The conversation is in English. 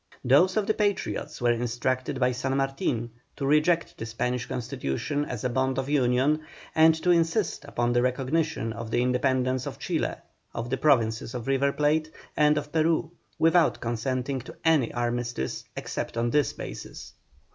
Those of the Patriots were instructed by San Martin to reject the Spanish Constitution as a bond of union, and to insist upon the recognition of the independence of Chile, of the Provinces of the River Plate, and of Peru, without consenting to any armistice, except on this basis.